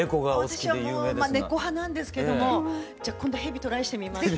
私は猫派なんですけどもじゃ今度蛇トライしてみます。